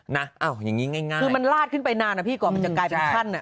อย่างนี้ง่ายคือมันลาดขึ้นไปนานนะพี่ก่อนมันจะกลายเป็นขั้นอ่ะ